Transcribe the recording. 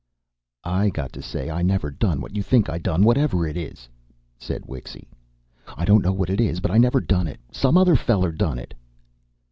"I got to say I never done what you think I done, whatever it is," said Wixy. "I don't know what it is, but I never done it. Some other feller done it."